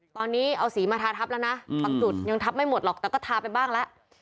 ตอนนี้เอาสีมาทาทับแล้วนะบางจุดยังทับไม่หมดหรอกแต่ก็ทาไปบ้างแล้ว